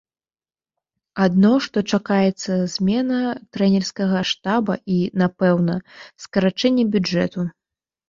Адно што чакаецца змена трэнерскага штаба і, напэўна, скарачэнне бюджэту.